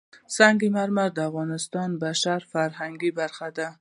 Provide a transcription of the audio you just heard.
سنگ مرمر د افغانستان د بشري فرهنګ برخه ده.